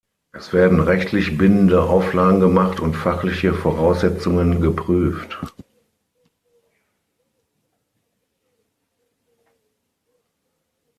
Es werden rechtlich bindende Auflagen gemacht und fachliche Voraussetzungen geprüft.